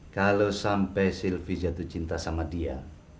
kalau sampai sylvie jatuh cinta sama dia